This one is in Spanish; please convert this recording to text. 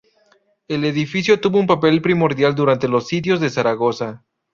El edificio tuvo un papel primordial durante los Sitios de Zaragoza.